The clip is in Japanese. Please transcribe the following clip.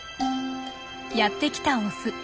やって来たオス。